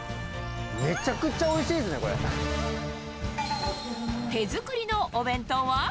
めちゃくちゃおいしいですね、手作りのお弁当は。